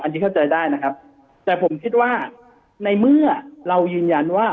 อันนี้เข้าใจได้นะครับแต่ผมคิดว่าในเมื่อเรายืนยันว่า